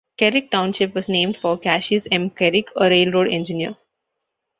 Kerrick Township was named for Cassius M. Kerrick, a railroad engineer.